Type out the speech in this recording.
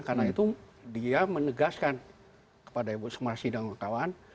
karena itu dia menegaskan kepada ibu sumarsih dan kawan kawan